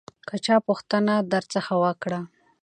که چا پوښتنه درڅخه وکړه